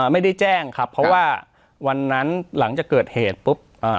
ไม่ได้แจ้งครับเพราะว่าวันนั้นหลังจากเกิดเหตุปุ๊บ